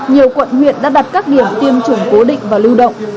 nhiều quận huyện đã đặt các điểm tiêm chủng cố định và lưu động